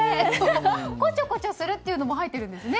こちょこちょするっていうのも入ってるんですね。